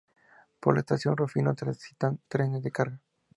Por la estación Rufino transitan trenes de carga.